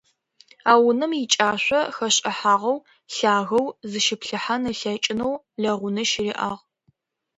А унэм икӏашъо хэшӏыхьагъэу, лъагэу, зыщиплъыхьэн ылъэкӏынэу лэгъунэ щыриӏагъ.